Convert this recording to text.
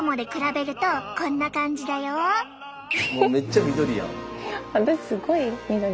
めっちゃ緑やん。